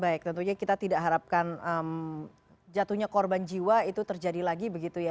baik tentunya kita tidak harapkan jatuhnya korban jiwa itu terjadi lagi begitu ya